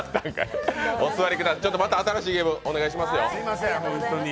また新しいゲーム、お願いしますよ。